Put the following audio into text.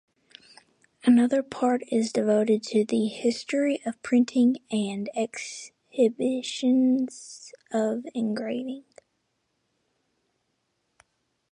Another part is devoted to the history of printing and exhibitions of engraving.